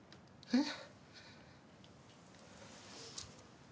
えっ？